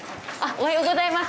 おはようございます。